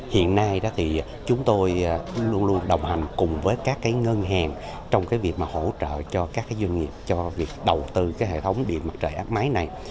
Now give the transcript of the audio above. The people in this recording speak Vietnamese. hiện nay chúng tôi luôn luôn đồng hành cùng với các ngân hàng trong việc hỗ trợ cho các doanh nghiệp cho việc đầu tư hệ thống điện mặt trời áp mái này